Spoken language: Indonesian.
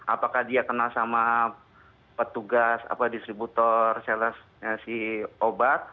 apakah dia kenal sama petugas apa distributor selesai obat